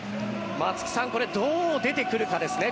松木さんどう出てくるかですね。